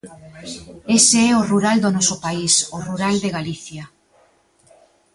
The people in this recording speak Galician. Ese é o rural do noso país, o rural de Galicia.